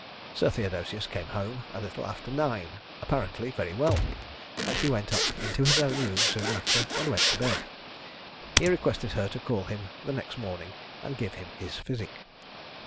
Sir Theodosius came home a little after nine, apparently very well; and he went up into his own room soon after, and went to bed. He requested her to call him the next morning and give him his physic.